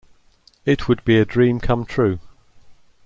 It would be a dream come true.